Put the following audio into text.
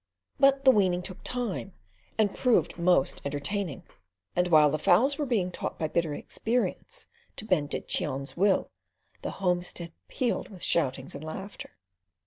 But the weaning took time, and proved most entertaining; and while the fowls were being taught by bitter experience to bend to Cheon's will, the homestead pealed with shoutings and laughter.